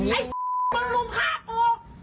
ไอ้มึงลุมฆ่ากู